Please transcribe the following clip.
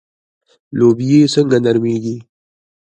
لوبیې څنګه نرمیږي؟